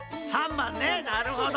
③ばんねなるほど。